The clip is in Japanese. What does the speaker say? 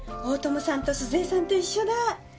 大友さんと鈴江さんと一緒だ。